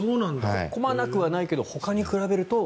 混まなくはないけどほかに比べると。